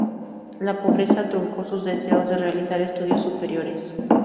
La pobreza truncó sus deseos de realizar estudios superiores.